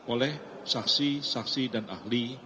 oleh saksi saksi dan ahli